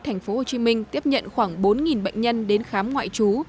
thành phố hồ chí minh tiếp nhận khoảng bốn bệnh nhân đến khám ngoại trú